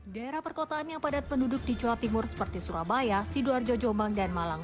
daerah perkotaan yang padat penduduk di jawa timur seperti surabaya sidoarjo jombang dan malang